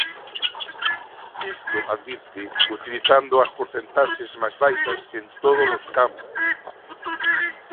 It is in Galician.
Isto, advirte, utilizando as porcentaxes máis baixas en todos os campos.